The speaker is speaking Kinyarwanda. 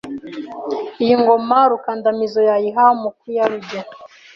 Iyi ngoma Rukandamizo yayiha Mukuyaruge